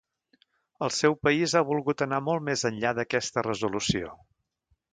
El seu país ha volgut anar molt més enllà d'aquesta resolució.